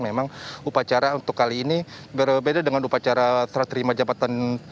memang upacara untuk kali ini berbeda dengan upacara serah terima jabatan